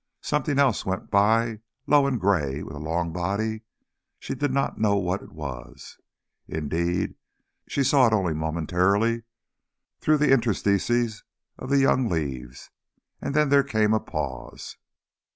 Something else went by, low and grey, with a long body; she did not know what it was, indeed she saw it only momentarily through the interstices of the young leaves; and then there came a pause.